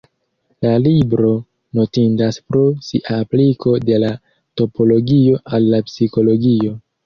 La libro notindas pro sia apliko de la topologio al la psikologio.